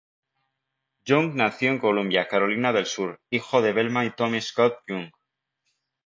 Young nació en Columbia, Carolina del Sur, hijo de Velma y Tommy Scott Young.